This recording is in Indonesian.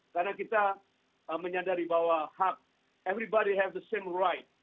karena kita menyadari bahwa hak everybody have the same right